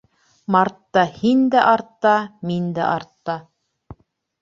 Мартта һин дә артта, мин дә артта.